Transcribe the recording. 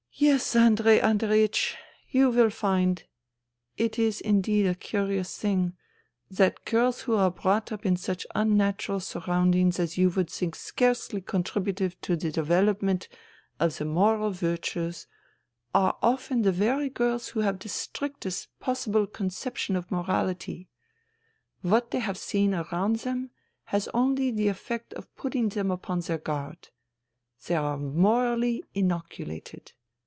" Yes, Andrei Andreiech, you will find — it is indeed a curious thing — ^that girls who are brought up in such unnatural sur roundings as you w^uld think scarcely contributive to the development of the moral virtues, are often THE THREE SISTERS 77 the very girls who have the strictest possible concep tion of morality. What they have seen around them has only had the effect of putting them upon their guard. They are morally inoculated.